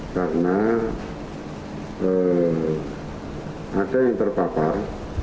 karena ada yang terpapar